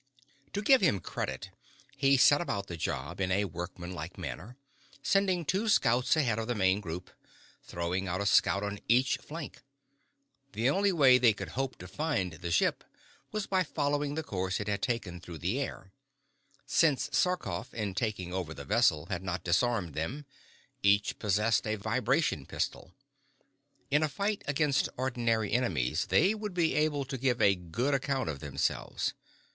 To give him credit, he set about the job in a workmanlike manner, sending two scouts ahead of the main group, throwing out a scout on each flank. The only way they could hope to find the ship was by following the course it had taken through the air. Since Sarkoff, in taking over the vessel, had not disarmed them, each possessed a vibration pistol. In a fight against ordinary enemies they would be able to give a good account of themselves.